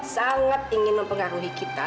sangat ingin mempengaruhi kita